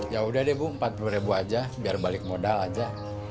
ya udah deh bu empat puluh ribu aja biar balik modal aja